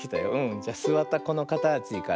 じゃすわったこのかたちから。